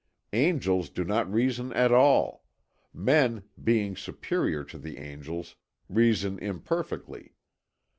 Angels do not reason at all; men, being superior to the angels, reason imperfectly.